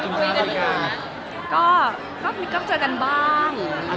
เดี๋ยวเรื่องพี่ก้าวหรือนั่นน